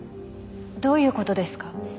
どういう事ですか？